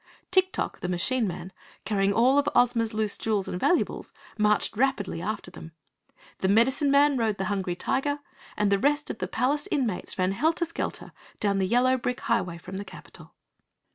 Tik Tok, the Machine Man, carrying all of Ozma's loose jewels and valuables, marched rapidly after them. The Medicine Man rode the Hungry Tiger and the rest of the palace inmates ran helter skelter down the yellow brick highway from the Capitol.